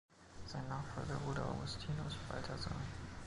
Sein Nachfolger wurde Augustinus Balthasar.